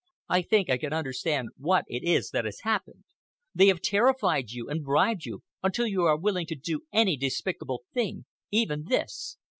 "I think I can understand what it is that has happened. They have terrified you and bribed you until you are willing to do any despicable thing—even this.